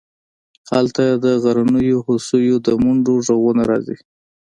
هلته د غرنیو هوسیو د منډو غږونه راځي